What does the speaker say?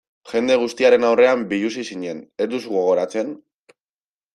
Jende guztiaren aurrean biluzi zinen, ez duzu gogoratzen?